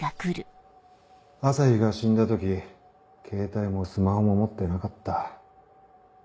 朝陽が死んだ時ケータイもスマホも持ってなかった。